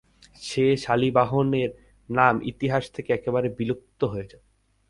সে শালীবাহনের নাম ইতিহাস থেকে একেবারে বিলুপ্ত হয়ে যাবে।